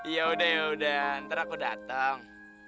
ya udah ya udah ntar aku dateng